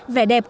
vẻ đẹp kỹ thuật